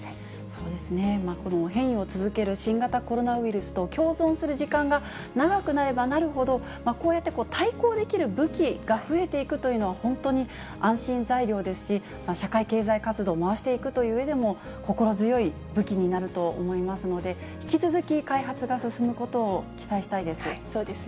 そうですね、変異を続ける新型コロナウイルスと共存する時間が長くなればなるほど、こうやって対抗できる武器が増えていくというのは、本当に安心材料ですし、社会経済活動を回していくといううえでも、心強い武器になると思いますので、引き続き、開発が進むことを期待したいです。